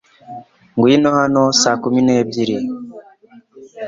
Ngwino hano saa kumi n'ebyiri .